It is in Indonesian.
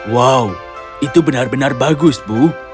wow itu benar benar bagus bu